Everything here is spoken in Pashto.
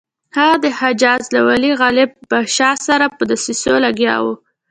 هغه د حجاز له والي غالب پاشا سره په دسیسو لګیا وو.